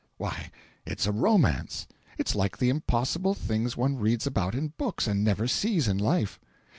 Why, it's a romance; it's like the impossible things one reads about in books, and never sees in life."